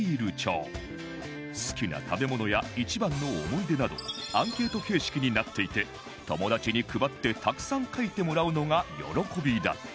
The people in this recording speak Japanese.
好きな食べ物や一番の思い出などアンケート形式になっていて友達に配ってたくさん書いてもらうのが喜びだった